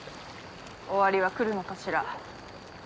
終わりは来るのかしら。